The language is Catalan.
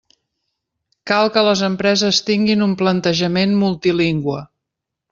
Cal que les empreses tinguin un plantejament multilingüe.